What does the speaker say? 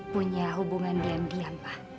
punya hubungan diam diam